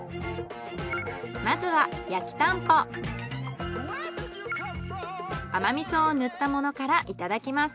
まずは甘味噌を塗ったものからいただきます。